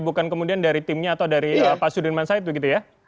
bukan kemudian dari timnya atau dari pak sudirman said begitu ya